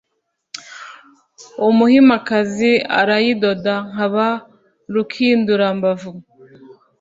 umuhimakazi arayidoda, nkaba rukindurambavu.